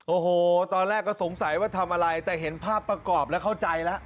โอ้โหตอนแรกก็สงสัยว่าทำอะไรแต่เห็นภาพประกอบแล้วเข้าใจแล้ว